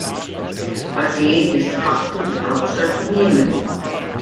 Aden ist de facto die Hauptstadt von Jemen.